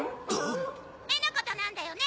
目のことなんだよね？